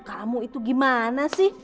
kamu itu gimana sih